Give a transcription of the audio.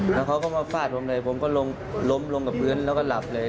แล้วเขาก็มาฟาดผมเลยผมก็ล้มลงกับพื้นแล้วก็หลับเลย